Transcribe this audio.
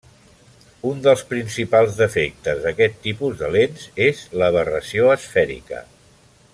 Un dels principals defectes d'aquest tipus de lents és l'aberració esfèrica.